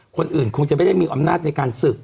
คงจะไม่ได้มีอำนาจในการศึก